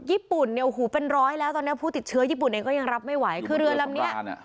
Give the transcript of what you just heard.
ญี่ปุ่นเนี่ยโอ้โหเป็นร้อยแล้วตอนเนี้ยผู้ติดเชื้อญี่ปุ่นเองก็ยังรับไม่ไหวคือเรือลำเนี้ย